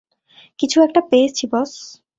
কিছু একটা পেয়েছি বস।